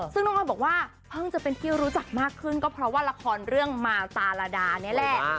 ซึ่งน้องออยบอกว่าเพิ่งจะเป็นที่รู้จักมากขึ้นก็เพราะว่าละครเรื่องมาวตาราดานี่แหละ